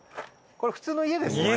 これ普通の家ですよね？